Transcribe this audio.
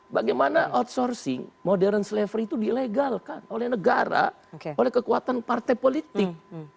bagaimana outsourcing modern slavery itu dilegalkan oleh negara oleh kekuatan partai politik